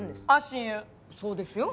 そうですよ。